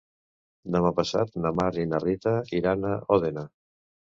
Demà passat na Mar i na Rita iran a Òdena.